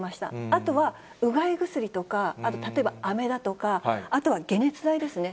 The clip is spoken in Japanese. あとは、うがい薬とか、あと例えばあめだとか、あとは解熱剤ですね。